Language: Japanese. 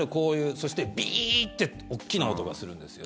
そして、ビーッて大きな音がするんですよ。